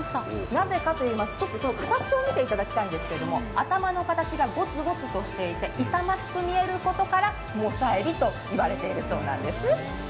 なぜかといいますと、ちょっと形を見ていただきたいんですが頭の形がゴツゴツとしていて勇ましく見えることからモサエビと言われているそうなんです。